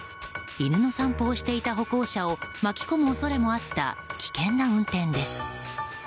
犬の散歩をしていた歩行者を巻き込む恐れもあった危険な運転です。